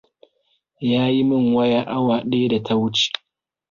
Ya yi min waya awa ɗaya da ta huce.